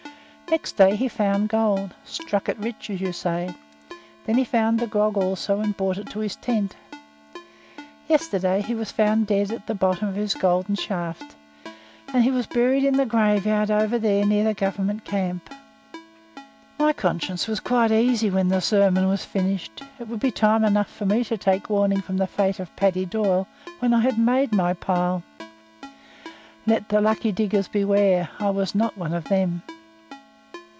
Next day he found gold, 'struck it rich,' as you say; then he found the grog also and brought it to his tent. Yesterday he was found dead at the bottom of his golden shaft, and he was buried in the graveyard over there near the Government camp." My conscience was quite easy when the sermon was finished. It would be time enough for me to take warning from the fate of Paddy Doyle when I had made my pile. Let the lucky diggers beware! I was not one of them.